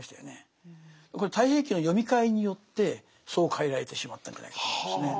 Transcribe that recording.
これ「太平記」の読み替えによってそう変えられてしまったんじゃないかと思いますね。